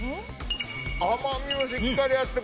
甘みがしっかりあって。